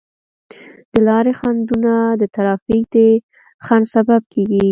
د لارې خنډونه د ترافیک د ځنډ سبب کیږي.